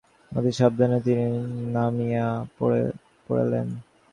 অতি সাবধানে তিনি নামিয়া পড়িলেন।